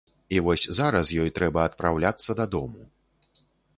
І вось зараз ёй трэба адпраўляцца дадому.